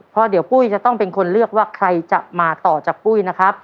เพราะเดี๋ยวปุ้ยจะต้องเป็นคนเลือกว่าใครจะมาต่อจากปุ้ยนะครับ